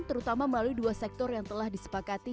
terutama melalui dua sektor yang telah disepakati